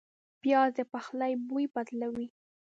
پیاز د پخلي بوی بدلوي